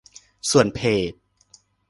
ส่วนเพจ